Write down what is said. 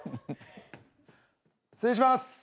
失礼します。